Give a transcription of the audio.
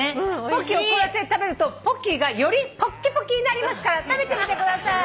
ポッキーを凍らせて食べるとポッキーがよりポッキポキになりますから食べてみてください！